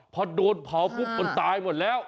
พอโดนเผาปุ๊บมันตายหมดแล้ว